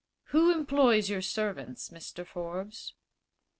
Who employs your servants, Mr. Forbes?"